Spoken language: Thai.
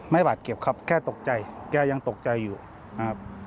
บาดเจ็บครับแค่ตกใจแกยังตกใจอยู่นะครับ